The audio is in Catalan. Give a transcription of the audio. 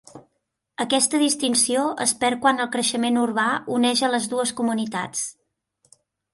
Aquesta distinció es perd quan el creixement urbà uneix a les dues comunitats.